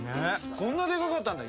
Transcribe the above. こんなでかかったんだ。